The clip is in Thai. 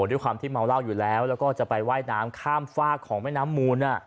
ด้วยความที่เมาเหล้าอยู่แล้วแล้วก็จะไปว่ายน้ำข้ามฝากของแม่น้ำมูล